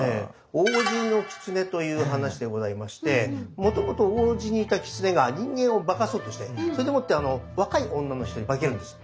「王子のきつね」という話でございましてもともと王子にいたきつねが人間を化かそうとしてそれでもって若い女の人に化けるんです。